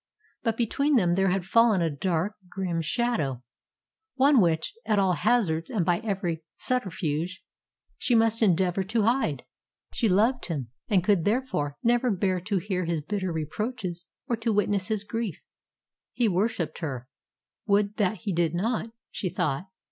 But between them there had fallen a dark, grim shadow one which, at all hazards and by every subterfuge, she must endeavour to hide. She loved him, and could, therefore, never bear to hear his bitter reproaches or to witness his grief. He worshipped her. Would that he did not, she thought.